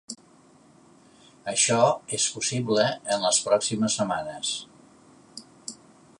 Això és possible en les pròximes setmanes.